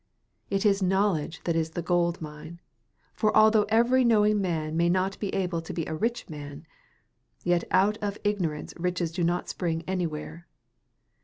It is knowledge that is the gold mine; for although every knowing man may not be able to be a rich man, yet out of ignorance riches do not spring anywhere.